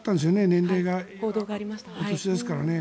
年齢がお年ですからね。